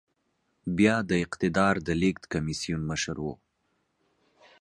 بيا د اقتدار د لېږد کميسيون مشر و.